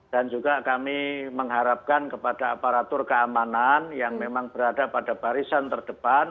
dan juga kami mengharapkan kepada aparatur keamanan yang memang berada pada barisan terdepan